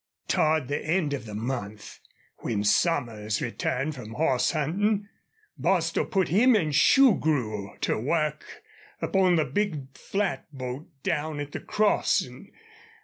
Toward the end of the month, when Somers returned from horse hunting, Bostil put him and Shugrue to work upon the big flatboat down at the crossing.